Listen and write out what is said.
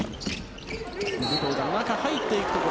武藤が中に入っていくところ。